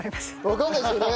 わかんないですよね。